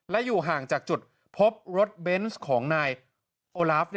และอยู่ห่างจากจุดพบรถเบนส์ของนายโอลาฟ